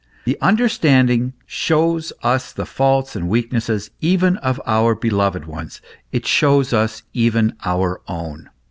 The understanding shews us the faults and weaknesses even of our beloved ones ; it shews us even our own.